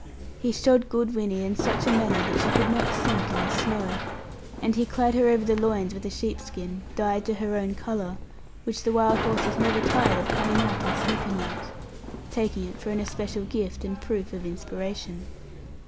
He shod good Winnie in such a manner that she could not sink in the snow; and he clad her over the loins with a sheep skin dyed to her own colour, which the wild horses were never tired of coming up and sniffing at; taking it for an especial gift, and proof of inspiration.